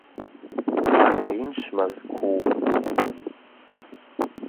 Къалэ инщ Мэзкуу.